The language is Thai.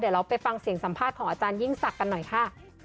เดี๋ยวเราไปฟังเสียงสัมภาษณ์ของอาจารยิ่งศักดิ์กันหน่อยค่ะ